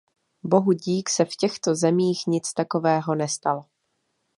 Bohudík se v těchto zemích nic takového nestalo.